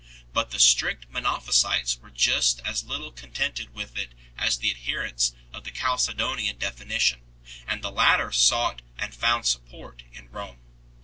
But the strict Monophysites were just as little contented with it as the adherents of the Chalcedonian Definition, and the latter sought and found support in Rome.